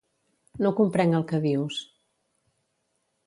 No comprenc el que dius.